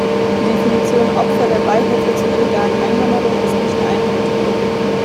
Die Definition "Opfer der Beihilfe zur illegalen Einwanderung" ist nicht eindeutig.